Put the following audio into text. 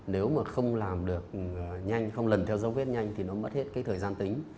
nếu mà không làm được nhanh không lần theo dấu vết nhanh thì nó mất hết cái thời gian tính